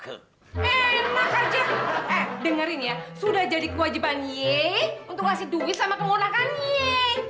eh emang aja eh dengerin ya sudah jadi kewajiban ye untuk ngasih duit sama pengurangan ye